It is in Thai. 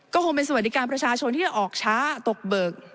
ก็คงเป็นสวัสดิการประชาชนที่จะออกช้าตกเบิก